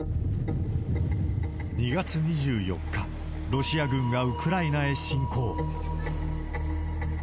２月２４日、ロシア軍がウクライナへ侵攻。